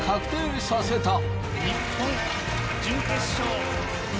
日本準決勝。